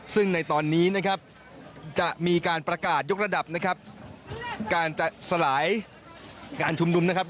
ซึ่งในตอนนี้นะครับจะมีการประกาศยกระดับนะครับการจะสลายการชุมนุมนะครับ